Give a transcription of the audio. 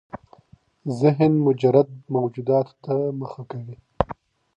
ذهن مجرد موجوداتو ته مخه کوي.